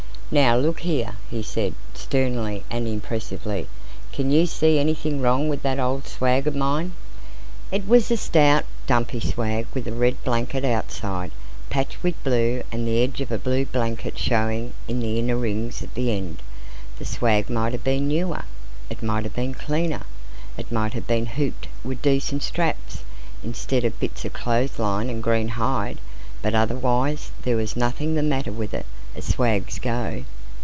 "Now, look here!" he said, sternly and impressively, "can you see anything wrong with that old swag o' mine?" It was a stout, dumpy swag, with a red blanket outside, patched with blue, and the edge of a blue blanket showing in the inner rings at the end. The swag might have been newer; it might have been cleaner; it might have been hooped with decent straps, instead of bits of clothes line and greenhide but otherwise there was nothing the matter with it, as swags go.